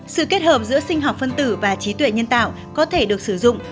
sự kết hợp giữa sinh học phân tử và trí tuệ nhân tạo có thể được sử dụng